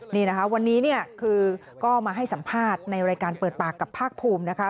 นี่นะคะวันนี้เนี่ยคือก็มาให้สัมภาษณ์ในรายการเปิดปากกับภาคภูมินะคะ